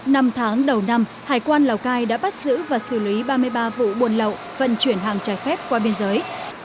năm tháng đầu năm hải quan lào cai đã bắt giữ và xử lý ba mươi ba vụ buôn lậu vận chuyển hàng trải phép qua biên giới